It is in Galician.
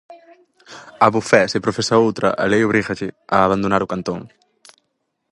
Abofé, se profesa outra, a lei obrígalle a abandonar o cantón.